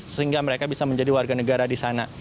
sehingga mereka bisa menjadi warga negara di sana